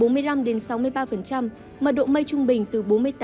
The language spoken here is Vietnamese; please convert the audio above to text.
mật độ mây trung bình từ bốn mươi tám sáu mươi chín